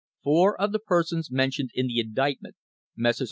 * Four of the persons mentioned in the indictment — Messrs.